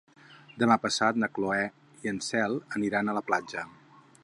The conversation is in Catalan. Demà passat na Cloè i na Cel aniran a la platja.